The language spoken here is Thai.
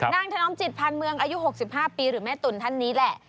ถนอมจิตพันธ์เมืองอายุ๖๕ปีหรือแม่ตุ๋นท่านนี้แหละ